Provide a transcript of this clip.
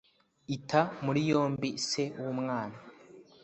ita muri yombi se w’umwana